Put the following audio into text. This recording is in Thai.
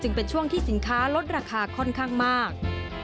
เป็นช่วงที่สินค้าลดราคาค่อนข้างมาก